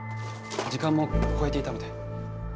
時間も超えていたので。